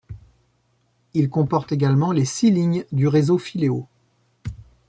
Il comporte également les six lignes du réseau Filéo.